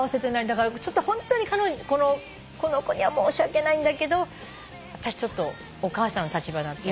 だからちょっとホントにこの子には申し訳ないんだけどあたしちょっとお母さんの立場だった。